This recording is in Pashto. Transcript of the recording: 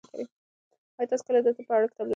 ایا تاسي کله د طب په اړه کتاب لوستی دی؟